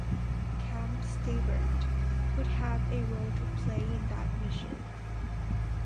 Camp Stewart would have a role to play in that mission.